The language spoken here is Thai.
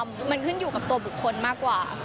มันขึ้นอยู่กับตัวบุคคลมากกว่า